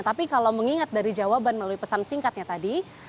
tapi kalau mengingat dari jawaban melalui pesan singkatnya tadi